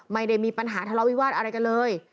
ไม่ได้มีปัญหาทะเลาวิวาสอะไรกันเลย